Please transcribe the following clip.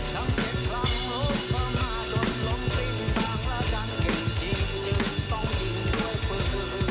ทั้งเด็กหลังหลุดเพราะมาจนล้มติ้นบางพระจันทร์เก่งจริงจึงต้องยิงด้วยเพื่อน